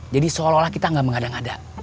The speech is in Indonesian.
jadi seolah olah kita gak mengada ngada